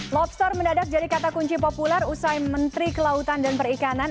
lobster mendadak jadi kata kunci populer usai menteri kelautan dan perikanan